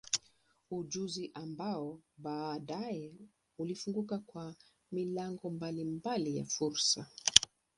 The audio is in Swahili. Ujuzi ambao baadaye ulimfunguka kwa milango mbalimbali ya fursa.